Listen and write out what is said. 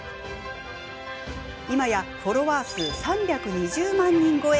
今やフォロワー数３２０万人超え。